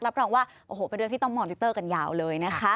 รับรองว่าโอ้โหเป็นเรื่องที่ต้องมอลิเตอร์กันยาวเลยนะคะ